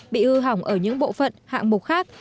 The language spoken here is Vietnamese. bị hư hỏng ở những bộ phận hạng mục khác